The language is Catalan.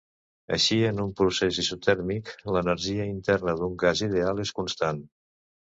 Així, en un procés isotèrmic l'energia interna d'un gas ideal és constant.